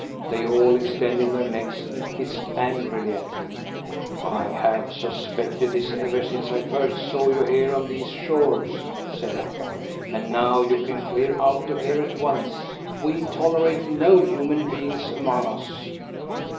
They all extended their necks and hissed angrily at him. "I have suspected this ever since I first saw you here on these shores," said Akka; "and now you can clear out of here at once. We tolerate no human beings among us."